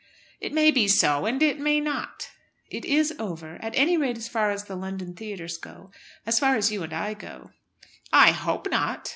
"It may be so and it may not." "It is over, at any rate as far as the London theatres go, as far as you and I go. "I hope not."